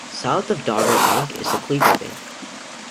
South of Dogger Bank is the Cleaver Bank.